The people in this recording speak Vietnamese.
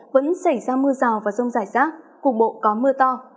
vẫn xảy ra mưa rào và rông rải rác cục bộ có mưa to